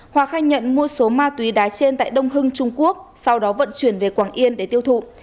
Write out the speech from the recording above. hòa khai nhận mua số ma túy đá trên tại đông hưng trung quốc sau đó vận chuyển về quảng yên để tiêu thụ